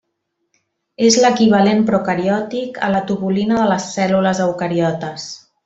És l'equivalent procariòtic a la tubulina de les cèl·lules eucariotes.